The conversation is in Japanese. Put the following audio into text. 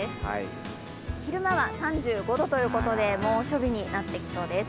昼間は３５度ということで猛暑日になってきそうです。